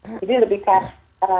itu harus diberikan pengarahan